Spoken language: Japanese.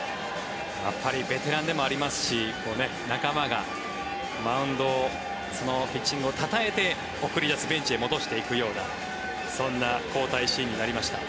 ベテランでもありますし仲間が、マウンドをピッチングをたたえて送り出すベンチへ戻していくようなそんな交代シーンになりました。